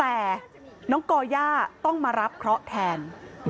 แต่น้องก่อย่าต้องมารับเคราะห์แทน